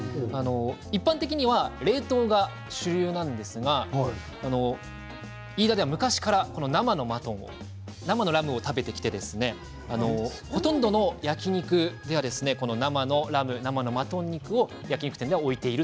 一般的には冷凍が主流なんですが飯田では昔から生のマトン生のラムを食べてきてほとんど焼き肉店では生のラム、生のマトン肉を置いている。